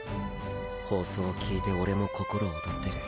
放送をきいてオレも心躍ってる。